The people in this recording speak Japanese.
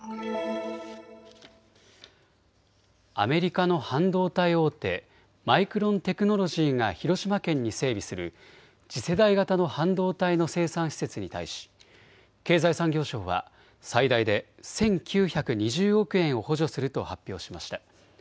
アメリカの半導体大手、マイクロンテクノロジーが広島県に整備する次世代型の半導体の生産施設に対し経済産業省は最大で１９２０億円を補助すると発表しました。